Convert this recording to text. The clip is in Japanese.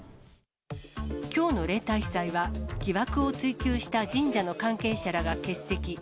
きょうの例大祭は、疑惑を追及した神社の関係者らが欠席。